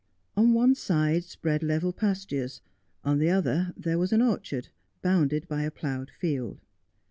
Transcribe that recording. On one side spread level pastures, on the other there was an orchard, bounded by a ploughed field.